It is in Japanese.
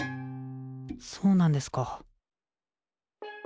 そうなんですか。